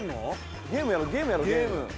ゲームやろうゲームやろうゲーム。